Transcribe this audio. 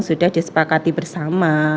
sudah disepakati bersama